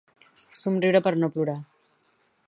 Somriure per no plorar